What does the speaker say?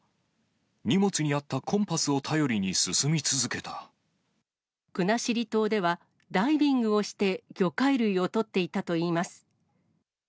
荷物にあったコンパスを頼りに進国後島では、ダイビングをして魚介類を取っていたといいます。